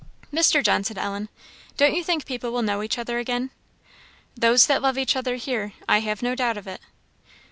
"Mr. John," said Ellen "don't you think people will know each other again?" "Those that love each other here! I have no doubt of it."